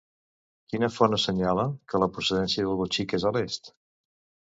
Quina font assenyala que la procedència de Botxic és a l'est?